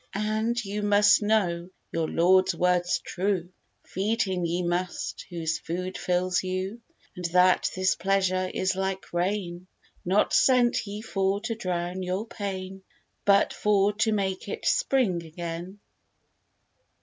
And, you must know, your lord's word's true, Feed him ye must, whose food fills you; And that this pleasure is like rain, Not sent ye for to drown your pain, But for to make it spring again.